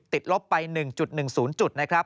ลบไป๑๑๐จุดนะครับ